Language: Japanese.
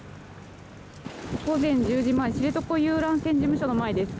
午前１０時前知床遊覧船事務所の前です。